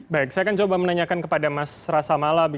baik saya akan menanyakan kepada mas rassamala